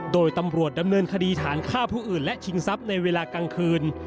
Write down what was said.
โดยตำรวจดำเนินคดีฐานฆ่าผู้อื่นและชิงทรัพย์ในเวลากลางคืน